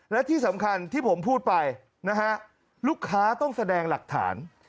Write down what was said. และที่สำคัญที่ผมพูดไปนะฮะลูกค้าต้องแสดงหลักฐาน